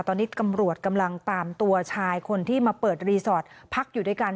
ตอนนี้ตำรวจกำลังตามตัวชายคนที่มาเปิดรีสอร์ทพักอยู่ด้วยกัน